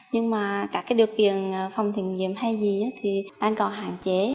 nhưng mà các cái điều kiện phòng thử nghiệm hay gì thì đang còn hạn chế